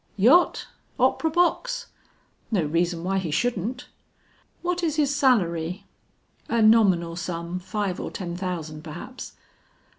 "Yacht, opera box?" "No reason why he shouldn't." "What is his salary?" "A nominal sum, five or ten thousand perhaps."